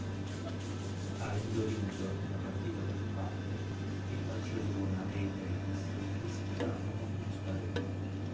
Avendo vinto una partita per parte, il Barcellona e il Betis disputarono uno spareggio.